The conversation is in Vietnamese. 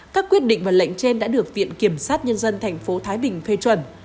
các quyết định và lệnh trên đã được viện kiểm sát nhân dân tp thái bình phê chuẩn